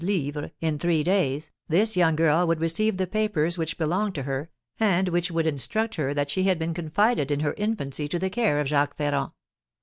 _) in three days, this young girl would receive the papers which belonged to her, and which would instruct her that she had been confided in her infancy to the care of Jacques Ferrand.